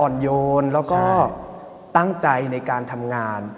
โยนแล้วก็ตั้งใจในการทำงาน